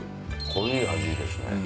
濃い味ですね。